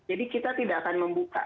jadi kita tidak akan membuka